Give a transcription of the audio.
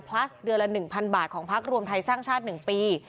พลัสเดือนละ๑๐๐บาทของพักรวมไทยสร้างชาติ๑ปี